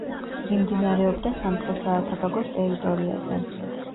მიმდინარეობდა სამცხე-საათაბაგოს ტერიტორიაზე.